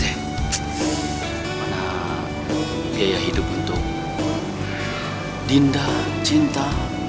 mana biaya hidup untuk dindah cinta